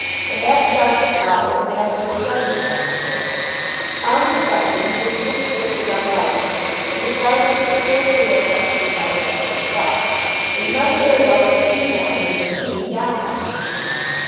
Perhaps Sergeant Collard had actually recognised the boy. Or reflection he dismissed this as unlikely, for the sergeant would scarcely have kept a thing like that to himself; but he might very well have seen more of him than he, Downing, had seen.